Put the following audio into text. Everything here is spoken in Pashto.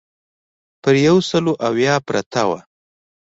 پر یو سل اویا پرته وه.